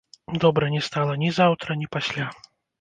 Добра не стала ні заўтра, ні пасля.